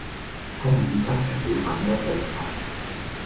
公園分成了很多部分